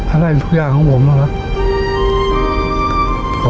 อะไรก็เป็นทุกอย่างของผมแล้วล่ะ